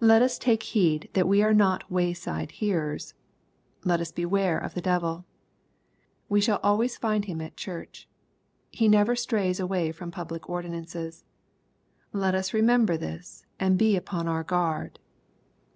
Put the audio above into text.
Let us take heed that we are not way side hearers. Let us beware of the devil. We shall always find him at Church. He never stays away from public ordi nances. Let us remember this, and be upon our guard.